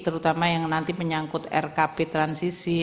terutama yang nanti menyangkut rkp transisi